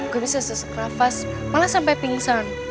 gue bisa sesekrafas malah sampai pingsan